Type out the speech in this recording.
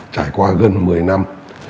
trải qua gần một mươi năm